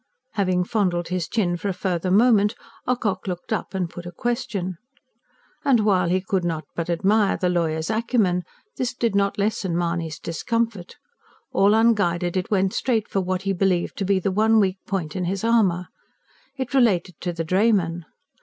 Having fondled his chin for a further moment, Ocock looked up and put a question. And, while he could not but admire the lawyer's acumen, this did not lessen Mahony's discomfort. All unguided, it went straight for what he believed to be the one weak spot in his armour. It related to the drayman.